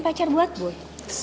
pacar buat boy